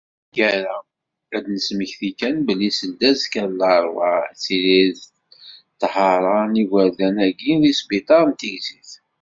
Ɣer taggara, ad d-nesmekti kan belli seldazekka n larebɛa, ad tili ṭṭhara n yigerdan-agi deg ssbiṭer n Tigzirt.